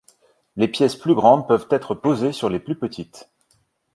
Les pièces plus grandes peuvent être posés sur les plus petites.